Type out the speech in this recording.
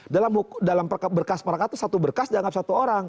dalam berkas perangkat itu satu berkas dianggap satu orang